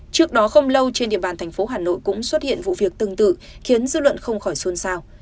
trước đó không lâu trên địa bàn thành phố hà nội cũng xuất hiện vụ việc tương tự khiến dư luận không khỏi xôn xao